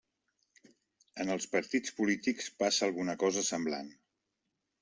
En els partits polítics passa alguna cosa semblant.